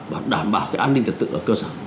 và đảm bảo cái an ninh trật tự ở cơ sở